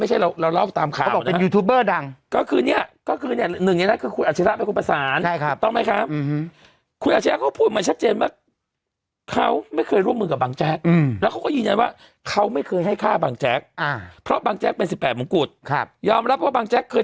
อ่าคืออันนี้ไม่ใช่เราเราเล่าตามข่าวบอกเป็น